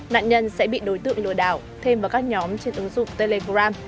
nạn nhân sẽ bị đối tượng lừa đảo thêm vào các nhóm trên ứng dụng telegram